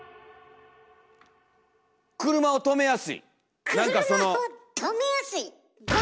車をとめやすい？